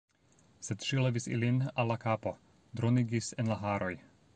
Sed ŝi levis ilin al la kapo, dronigis en la haroj.